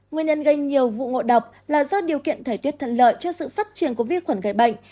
nguyên nhân gây nhiều vụ ngộ độc là do điều kiện thời tiết thận lợi cho sự phát triển của vi khuẩn gây bệnh